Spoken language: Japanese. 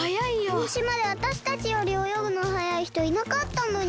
このしまでわたしたちよりおよぐのはやいひといなかったのに。